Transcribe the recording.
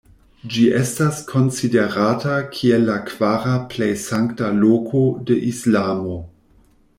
Ĝi estas konsiderata kiel la kvara plej sankta loko de Islamo.